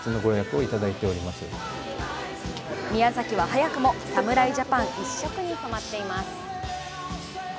宮崎は早くも侍ジャパン一色に染まっています。